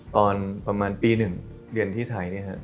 ตอนประมาณปี๑เดือนที่ไทยเนี่ยครับ